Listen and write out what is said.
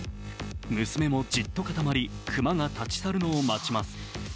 娘もじっと固まり、熊が立ち去るのを待ちます。